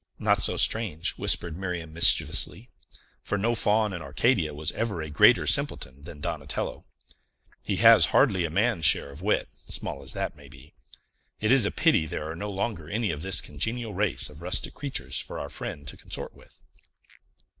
"Not so strange," whispered Miriam mischievously; "for no Faun in Arcadia was ever a greater simpleton than Donatello. He has hardly a man's share of wit, small as that may be. It is a pity there are no longer any of this congenial race of rustic creatures for our friend to consort with!"